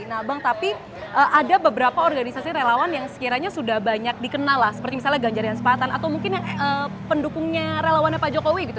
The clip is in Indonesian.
nah bang tapi ada beberapa organisasi relawan yang sekiranya sudah banyak dikenal lah seperti misalnya ganjar dan sepatan atau mungkin yang pendukungnya relawannya pak jokowi gitu